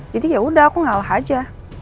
jadi yaudah aku ngalah aja